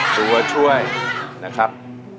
ตัวช่วยนะครับ